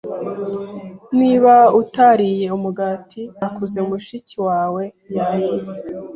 Niba utariye umugati nakoze, mushiki wawe yariye.